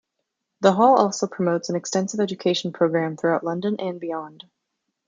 The hall also promotes an extensive education programme throughout London and beyond.